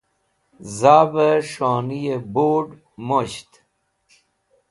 zav'ey s̃honi bud mosht